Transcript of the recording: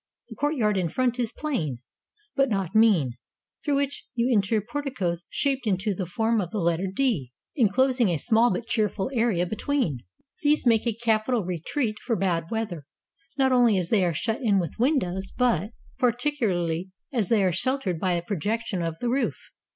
The courtyard in front is plain, but not mean, through which you enter porticoes shaped into the form of the letter " D," inclosing a small but cheerful area between. These make a capital retreat for bad weather, not only as they are shut in with windows, but 484 COUNTRY HOUSE OF PLINY THE YOUNGER particularly as they are sheltered by a projection of the roof.